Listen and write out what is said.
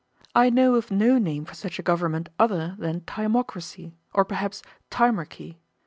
—I know of no name for such a government other than timocracy, or perhaps timarchy.